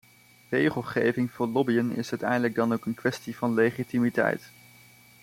Regelgeving voor lobbyen is uiteindelijk dan ook een kwestie van legitimiteit.